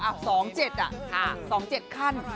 ๒๗อ่ะ๒๗ขั้น